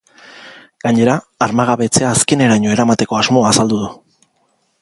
Gainera, armagabetzea azkeneraino eramateko asmoa azaldu du.